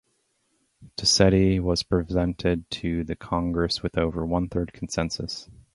Dossetti was presented to the Congress with over one third consensus.